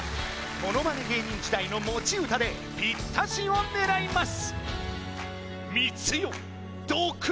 ものまね芸人時代の持ち歌でピッタシを狙います！